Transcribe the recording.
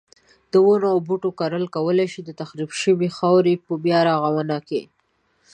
د ونو او بوټو کرل کولای شي د تخریب شوی خاورې په بیا رغونه.